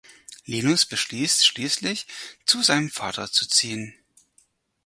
Linus beschließt schließlich zu seinem Vater zu ziehen.